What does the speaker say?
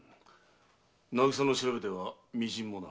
渚の調べでは微塵もな。